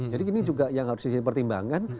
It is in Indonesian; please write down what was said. jadi ini juga yang harus dipertimbangkan